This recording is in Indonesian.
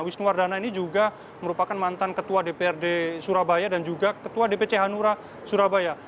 wisnu wardana ini juga merupakan mantan ketua dprd surabaya dan juga ketua dpc hanura surabaya